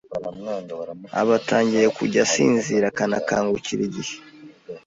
aba atangiye kujya asinzira akanakangukira igihe